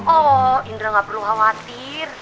oh indra nggak perlu khawatir